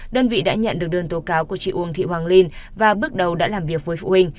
đơn vị đã nhận được đơn tố cáo của chị uông thị hoàng linh và bước đầu đã làm việc với phụ huynh